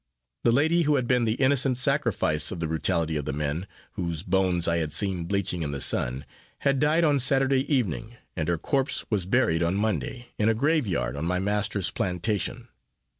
The lady, who had been the innocent sacrifice of the brutality of the men, whose bones I had seen bleaching in the sun, had died on Saturday evening, and her corpse was buried on Monday, in a grave yard on my master's plantation.